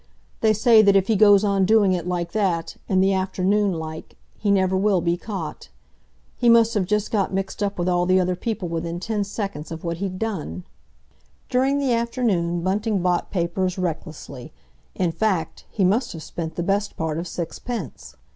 They say that if he goes on doing it like that—in the afternoon, like—he never will be caught. He must have just got mixed up with all the other people within ten seconds of what he'd done!" During the afternoon Bunting bought papers recklessly—in fact, he must have spent the best part of six pence.